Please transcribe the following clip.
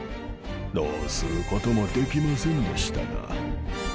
どうすることもできませんでしたが。